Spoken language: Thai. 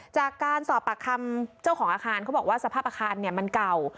จากการสอบปากคำเจ้าของอาคารเขาบอกว่าสภาพอาคารมันเก่า